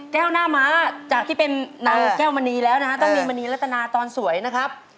หน้าม้าจากที่เป็นนางแก้วมณีแล้วนะฮะต้องมีมณีรัตนาตอนสวยนะครับ